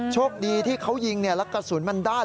โชคดีที่เขายิงแล้วกระสุนมันด้าน